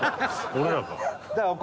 俺らか。